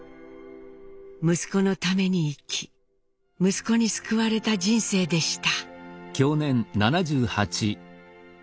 息子のために生き息子に救われた人生でした。